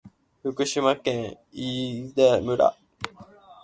福島県飯舘村